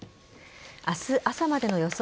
明日朝までの予想